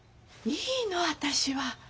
いいの私は。